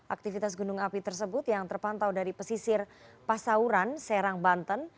aktivitas gunung api tersebut yang terpantau dari pesisir pasauran serang banten